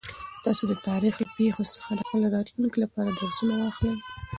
تاسو د تاریخ له پېښو څخه د خپل راتلونکي لپاره درسونه واخلئ.